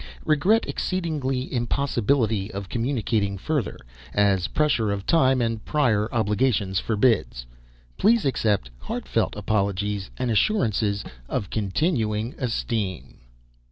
Regret exceedingly impossibility of communicating further, as pressure of time and prior obligations forbids. Please accept heartfelt apologies and assurances of continuing esteem.